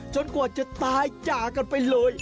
กว่าจะตายจากกันไปเลย